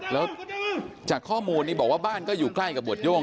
แล้วจากข้อมูลนี้บอกว่าบ้านก็อยู่ใกล้กับหวดโย่ง